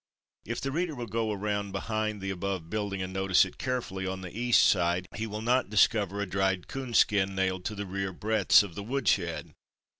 If the reader will go around behind the above building and notice it carefully on the east side, he will not discover a dried coonskin nailed to the rear breadths of the wood shed.